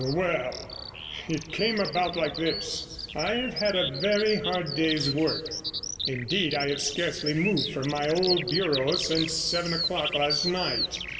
'Well, it came about like this. I have had a very hard day's work; indeed I have scarcely moved from my old bureau since seven o'clock last night.